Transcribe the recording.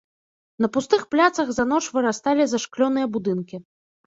На пустых пляцах за ноч вырасталі зашклёныя будынкі.